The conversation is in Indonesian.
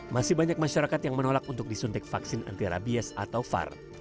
masih banyak masyarakat yang menolak untuk disuntik vaksin anti rabies atau var